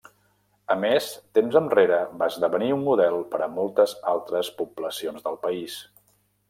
A més, temps enrere va esdevenir un model per a moltes altres poblacions del país.